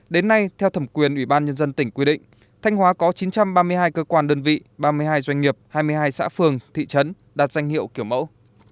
đến nay theo thẩm quyền ủy ban nhân dân tỉnh quy định thanh hóa có chín trăm ba mươi hai cơ quan đơn vị ba mươi hai doanh nghiệp hai mươi hai xã phường thị trấn đạt danh hiệu kiểu mẫu